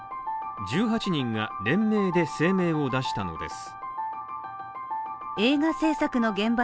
１８人が連名で声明を出したのです。